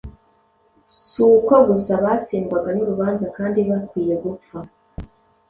Si uko gusa batsindwaga n’urubanza kandi bakwiye gupfa,